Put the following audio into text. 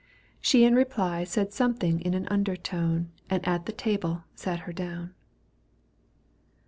She in reply Said something in an undertone And at the table sat her down. XXXI.